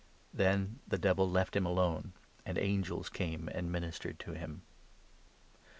" Then the Devil left him alone, and angels came and min istered to him. III.